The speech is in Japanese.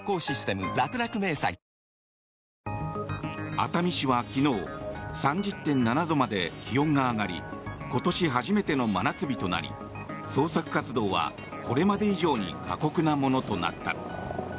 熱海市は昨日３０．７度まで気温が上がり今年初めての真夏日となり捜索活動はこれまで以上に過酷なものとなった。